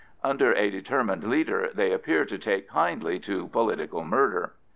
Under a determined leader they appear to take kindly to "political murder."